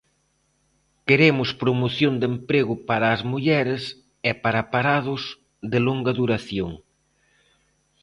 Queremos promoción de emprego para as mulleres e para parados de longa duración.